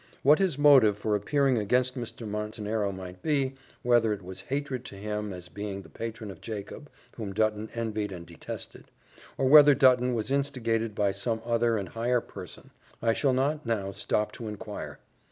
What his motive for appearing against Mr. Montenero might be, whether it was hatred to him as being the patron of Jacob, whom Dutton envied and detested, or whether Dutton was instigated by some other and higher person, I shall not now stop to inquire.